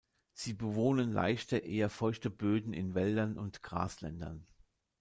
Sie bewohnen leichte, eher feuchte Böden in Wäldern und Grasländern.